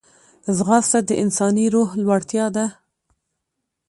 ځغاسته د انساني روح لوړتیا ده